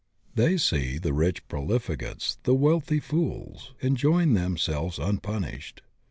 They see the rich profligates, the wealthy fools, enjoying themselves impunished.